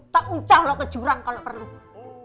tak ucah loh ke jurang kalau perlu